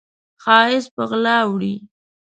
ښایست په غلا وړي